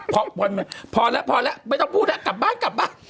อย่าพอพอแล้วพอแล้วไม่ต้องพูดนะกลับมากลับมา